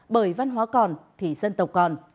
bởi văn hóa còn thì dân tộc còn